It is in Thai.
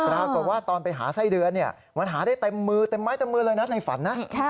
ปรากฏว่าตอนไปหาไส้เดือนมันหาได้เต็มมือเต็มไม้เต็มมือเลยนะในฝันนะ